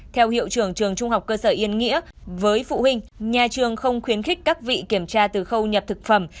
theo hiệu trưởng trường trung học cơ sở yên nghĩa với phụ huynh nhà trường không khuyến khích các vị kiểm tra từ khâu nhập thực phẩm